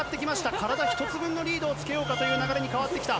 体１つ分のリードをつけようかという流れに変わってきた。